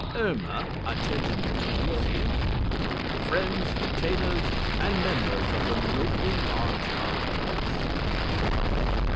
Soprano Irma, attendant to Lucy Basso _Friends, Retainers and Members of the local Lodge of Elks.